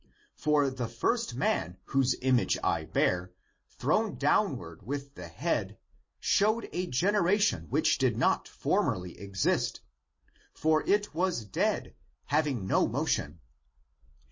For the first man whose image I bear, thrown downward with the head, showed a generation which did not formerly exist; ^^^ for it was dead, having no motion.